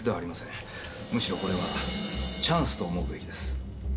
むしろこれはチャンスと思うべきです。